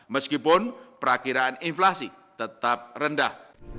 meskipun perakiraan inflasi tetap rendah